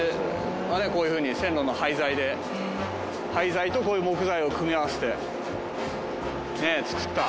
こういう風に線路の廃材で廃材とこういう木材を組み合わせて作った。